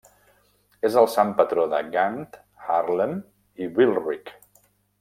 És el sant patró de Gant, Haarlem i Wilrijk.